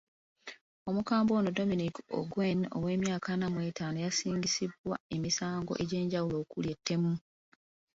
Omukambwe ono Dominic Ongwen, ow'emyaka ana mwe ttaano yasingisibwa emisango egy'enjawulo okuli ettemu.